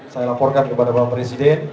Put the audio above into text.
saya laporkan kepada bapak presiden